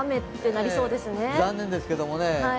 残念ですけどもね。